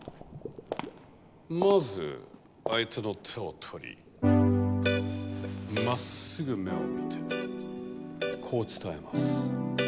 まず相手の手を取りまっすぐ目を見てこう伝えます。